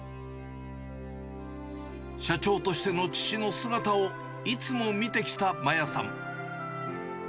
社長としての父の姿をいつも見てきた麻椰さん。